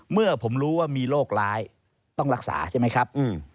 เมื่อผมรู้ว่ามีโรคร้ายต้องรักษาใช่ไหมครับ